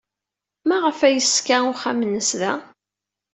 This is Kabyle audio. Maɣef ay yeṣka axxam-nnes da?